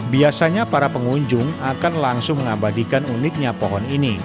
biasanya para pengunjung akan langsung mengabadikan uniknya pohon ini